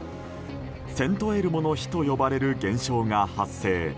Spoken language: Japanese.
セントエルモの火と呼ばれる現象が発生。